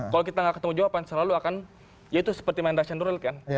kalau kita nggak ketemu jawaban selalu akan ya itu seperti mandas cendul kan